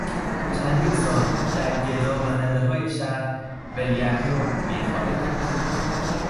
چندین سال در گدا محلههای شهر ولگردی و میخوارگی میکرد.